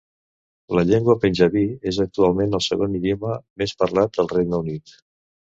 La llengua panjabi és actualment el segon idioma més parlat al Regne Unit.